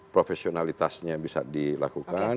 profesionalitasnya bisa dilakukan